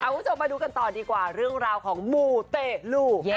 คุณผู้ชมมาดูกันต่อดีกว่าเรื่องราวของหมู่เตะลูก